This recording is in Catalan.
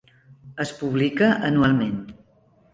Es publica anualment.